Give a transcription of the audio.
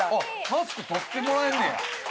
マスク取ってもらえんねや。